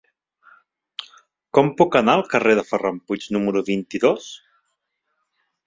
Com puc anar al carrer de Ferran Puig número vint-i-dos?